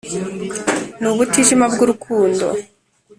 ni ubutijima bw’urukundo,